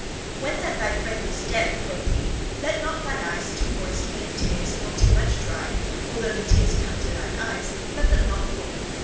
'When that thy friend is dead,' quoth he, 'let not thine eyes too moist be of tears, nor too much dry: although the tears come to thine eyes, let them not fall.